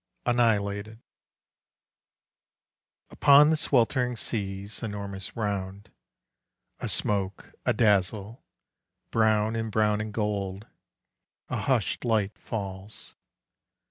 IV. ANNIHILATED Upon the sweltering sea's enormous round, Asmoke, adazzle, brown and brown and gold, A hushed light falls....